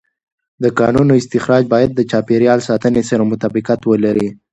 د کانونو استخراج باید د چاپېر یال ساتنې سره مطابقت ولري.